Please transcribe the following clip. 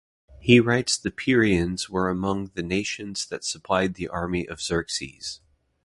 He writes the Pierians were among the nations that supplied the army of Xerxes.